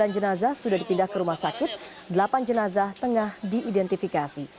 sembilan jenazah sudah dipindah ke rumah sakit delapan jenazah tengah diidentifikasi